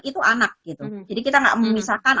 itu anak gitu jadi kita nggak memisahkan